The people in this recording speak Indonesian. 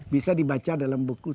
bisa dibaca dalam buku sang sapurma